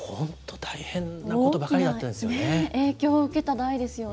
大きな影響を受けた代ですよね。